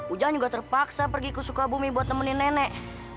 ujang juga terpaksa pergi ke sukabumi buat nemenin nenek